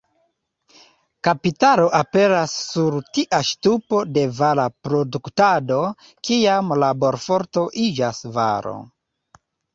Kapitalo aperas sur tia ŝtupo de vara produktado, kiam laborforto iĝas varo.